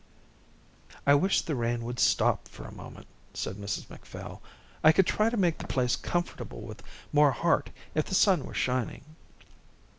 "I wish the rain would stop for a moment," said Mrs Macphail. "I could try to make the place comfortable with more heart if the sun were shining."